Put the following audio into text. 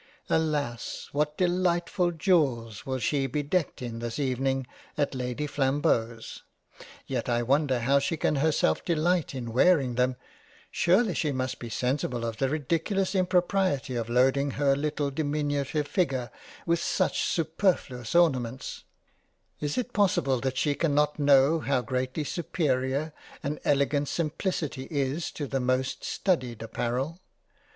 Alas ! what Delightful Jewels will she be decked in this even ing at Lady Flambeau's ! Yet I wonder how she can herself delight in wearing them ; surely she must be sensible of the ridiculous impropriety of loading her little diminutive figure with such superfluous ornaments ; is it possible that she can not know how greatly superior an elegant simplicity is to the most studied apparel